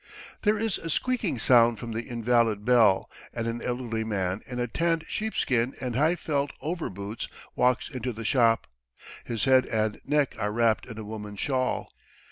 There is a squeaking sound from the invalid bell and an elderly man in a tanned sheepskin and high felt over boots walks into the shop. His head and neck are wrapped in a woman's shawl.